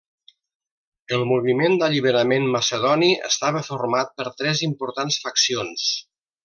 El moviment d'alliberament macedoni estava format per tres importants faccions.